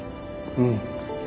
うん。